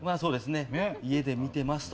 家で見てますと。